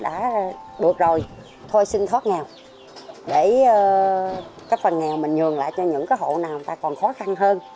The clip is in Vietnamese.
được rồi thôi xin thoát nghèo để các phần nghèo mình nhường lại cho những hộ nào còn khó khăn hơn